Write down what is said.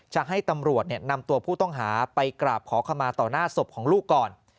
จะให้ตำรวจนำตัวผู้ต้องหาไปกราบขอขมาต่อหน้าศพของลูกก่อน